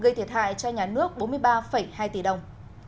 gây thiệt hại cho nhà nước bốn mươi ba hai tỷ đồng